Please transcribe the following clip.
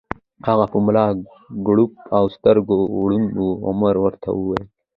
هغه په ملا کړوپ او سترګو ړوند و، عمر ورته وویل: